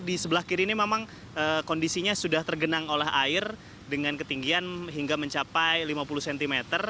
di sebelah kiri ini memang kondisinya sudah tergenang oleh air dengan ketinggian hingga mencapai lima puluh cm